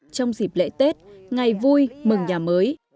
trong dịp lễ tết ngày vui mừng nhà mới